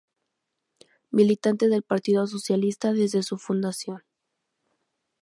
Militante del Partido Socialista desde su fundación.